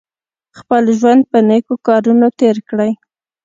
خپل ژوند په نېکو کارونو تېر کړئ.